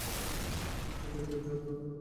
এটা তো শুধু একটা হাত আর পা।